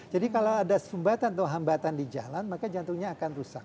jadi kalau ada sumbatan atau hambatan di jalan maka jantungnya akan rusak